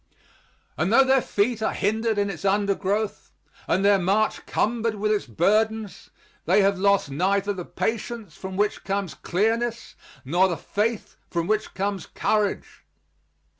And though their feet are hindered in its undergrowth, and their march cumbered with its burdens, they have lost neither the patience from which comes clearness, nor the faith from which comes courage.